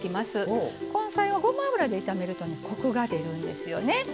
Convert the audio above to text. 根菜はごま油で炒めるとねコクが出るんですよね。